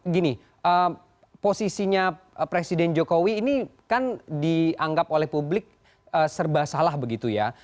gini posisinya presiden jokowi ini kan dianggap oleh publik serba salah begitu ya